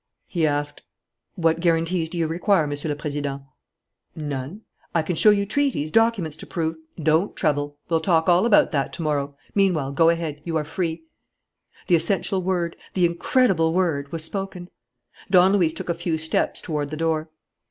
He asked: "What guarantees do you require, Monsieur le Président?" "None." "I can show you treaties, documents to prove " "Don't trouble. We'll talk about all that to morrow. Meanwhile, go ahead. You are free." The essential word, the incredible word, was spoken. Don Luis took a few steps toward the door.